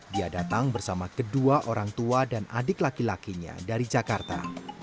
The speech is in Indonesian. dia datang bersama kedua orang tua dan adik laki lakinya dari jakarta